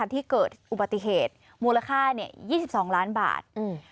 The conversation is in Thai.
ที่เกิดอุปติเหตุมูลค่าเนี่ยยี่สิบสองล้านบาทอืม